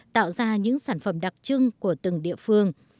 tạo ra những sản phẩm đặc trưng của từng địa phương